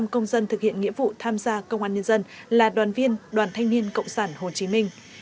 một trăm linh công dân thực hiện nghĩa vụ tham gia công an nhân dân là đoàn viên đoàn thanh niên cộng sản hồ chí minh